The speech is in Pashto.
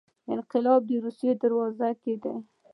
انقلاب د روسیې په دروازو کې دی.